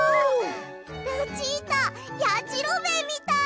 ルチータやじろべえみたい！